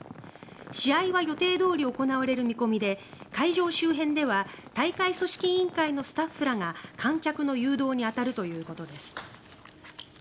試合は予定どおり行われる見込みで会場周辺では大会組織委員会のスタッフらが観客の誘導に当たるということです。